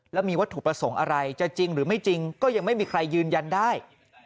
แล้วมีวัตถุประสงค์อะไรจะจริงหรือไม่จริงก็ยังไม่มีใครยืนยันได้